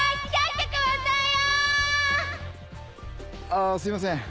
あすいません